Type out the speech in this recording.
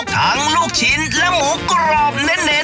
ลูกชิ้นและหมูกรอบเน้น